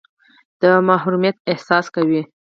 د محرومیت احساس کوئ.